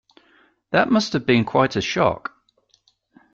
That must have been quite a shock.